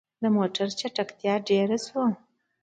د موټر چټکتيا ډيره شوه.